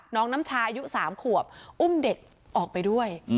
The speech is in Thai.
น้องน้ำชาอายุ๓ขวบอุ้มเด็กออกไปด้วย